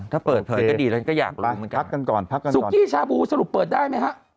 ถ้าเปิดเผยก็ดีแล้วก็อยากพักกันก่อนสุกี้ชาบูสรุปเปิดได้ไหมฮะ